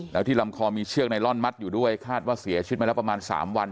แล้วที่ลำคอมีเชือกไนลอนมัดอยู่ด้วยคาดว่าเสียชีวิตมาแล้วประมาณ๓วัน